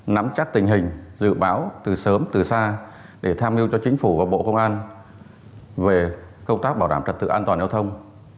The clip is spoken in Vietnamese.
nắm chắc tình hình dự báo từ sớm từ xa để tham mưu cho chính phủ và bộ công an về công tác bảo đảm trật tự an toàn giao thông